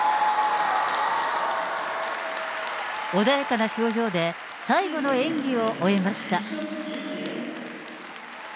穏やかな表情で、最後の演技を終えました。